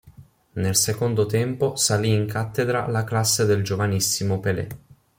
Nel secondo tempo, salì in cattedra la classe del giovanissimo Pelé.